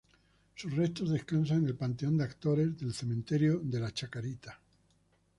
Sus restos descansan en el Panteón de Actores del cementerio de la Chacarita.